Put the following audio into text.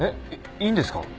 いいんですか？